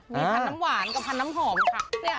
มีพันธุ์น้ำหวานกับพันธน้ำหอมค่ะ